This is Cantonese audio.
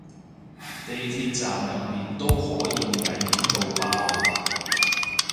地鐵站入面都可以危險到爆